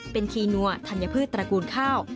เป็นคีย์นัวธัญพืชตระกูลข้าว